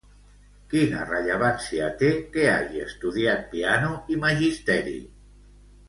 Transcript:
Quina rellevància té que hagi estudiat piano i magisteri?